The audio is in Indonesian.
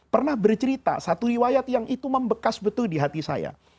pernah bercerita satu riwayat yang itu membekas betul di hati saya